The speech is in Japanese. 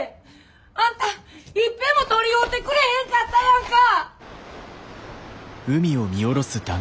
あんたいっぺんも取り合うてくれへんかったやんか！